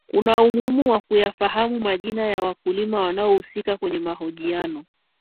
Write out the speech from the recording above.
kuna umuhimu wa kuyafahamu majina ya wakulima wanaohusika kwenye mahojiano